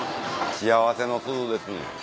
幸せの鈴ですね。